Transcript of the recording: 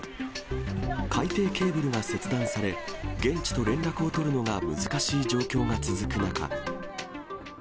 海底ケーブルが切断され、現地と連絡を取るのが難しい状況が続く中。